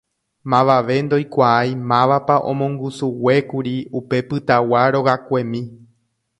Mavave ndoikuaái mávapa omongusuguékuri upe pytagua rogakuemi.